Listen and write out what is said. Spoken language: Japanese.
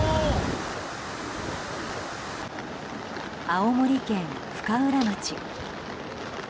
青森県深浦町。